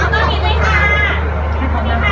ขอบคุณค่ะ